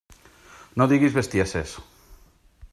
No diguis bestieses.